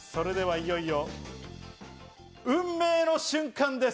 いよいよ運命の瞬間です。